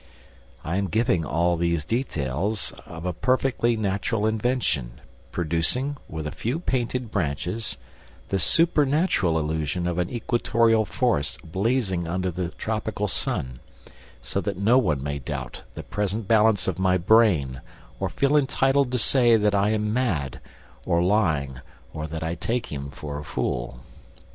I am giving all these details of a perfectly natural invention, producing, with a few painted branches, the supernatural illusion of an equatorial forest blazing under the tropical sun, so that no one may doubt the present balance of my brain or feel entitled to say that I am mad or lying or that I take him for a fool.